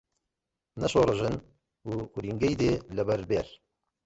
نە شۆڕەژن ورینگەی دێ لەبەر بێر